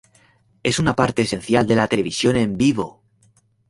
Es una parte esencial de la televisión en vivo.